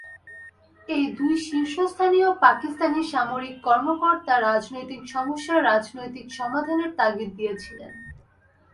এই দুই শীর্ষস্থানীয় পাকিস্তানি সামরিক কর্মকর্তা রাজনৈতিক সমস্যার রাজনৈতিক সমাধানের তাগিদ দিয়েছিলেন।